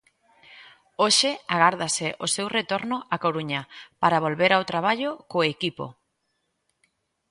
Hoxe agárdase o seu retorno á Coruña para volver ao traballo co equipo.